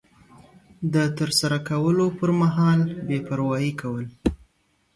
د ترسره کولو پر مهال بې پروایي کول